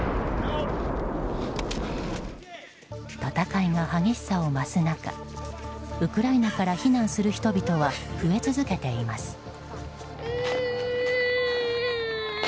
戦いが激しさを増す中ウクライナから避難する人々は増え続けています。